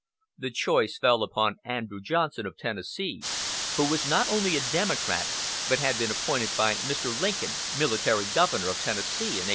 The choice fell upon Andrew Johnson of Tennessee, who was not only a Democrat, but had been appointed by Mr. Lincoln military governor of Tennessee in 1862.